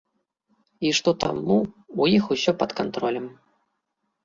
І што таму ў іх усё пад кантролем.